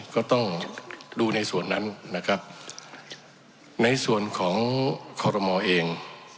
ก็ต้องดูในส่วนนั้นนะครับในส่วนของคอรมอเอง